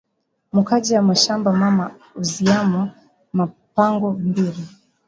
Mu kaji ya mashamba mama ana uziyamo ma mpango mbiri